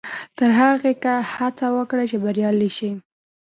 تر هغې هڅه وکړئ چې بریالي شئ.